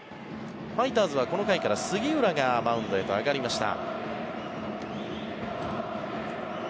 ファイターズはこの回から杉浦がマウンドへと上がりました。